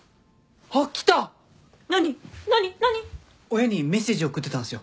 親にメッセージを送ってたんすよ。